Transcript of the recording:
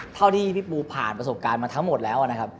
เท่าที่พี่ปูผ่านประสบการณ์มาทั้งหมดแล้วนะครับ